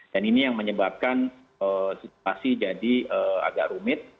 dan ini yang menyebabkan situasi jadi agak rumit